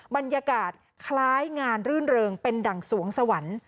บรรยากาศคล้ายงานรื่นเริงเป็นดั่งสวงสวรรค์